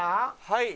はい。